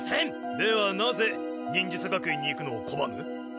ではなぜ忍術学園に行くのをこばむ？